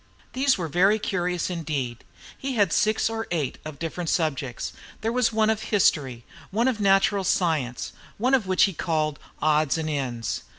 These were very curious indeed. He had six or eight, of different subjects. There was one of History, one of Natural Science, one which he called "Odds and Ends."